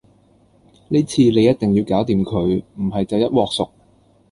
呢次你一定要搞掂佢，唔係就一鑊熟